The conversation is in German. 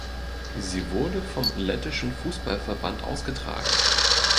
Sie wurde vom Lettischen Fußballverband ausgetragen.